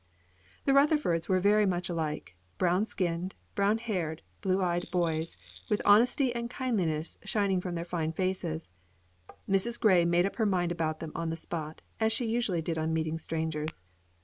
The Rutherfords were very much alike, brown skinned, brown haired, blue eyed boys, with honesty and kindliness shining from their fine faces. Mrs. Grey made up her mind about them on the spot as she usually did on meeting strangers.